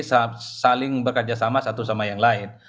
jadi saling bekerjasama satu sama yang lain